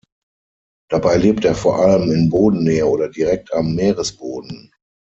Dabei lebt er vor allem in Bodennähe oder direkt am Meeresboden.